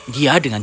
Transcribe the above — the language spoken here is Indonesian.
dia juga tidak tahu